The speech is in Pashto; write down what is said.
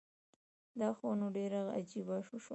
دا خو نو ډيره عجیبه وشوه